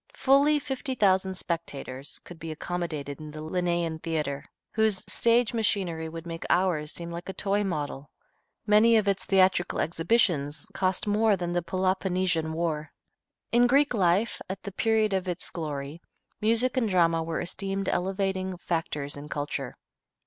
Fully fifty thousand spectators could be accommodated in the Lenæan Theatre, whose stage machinery would make ours seem like a toy model. Many of its theatrical exhibitions cost more than the Peloponnesian War. In Greek life, at the period of its glory, music and the drama were esteemed elevating factors in culture.